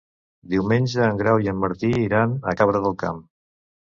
Diumenge en Grau i en Martí iran a Cabra del Camp.